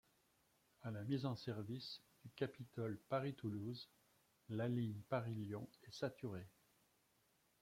À la mise en service du Capitole Paris-Toulouse, la ligne Paris Lyon est saturée.